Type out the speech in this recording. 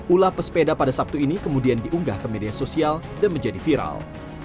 ulah pesepeda pada sabtu ini kemudian diunggah ke media sosial dan menjadi viral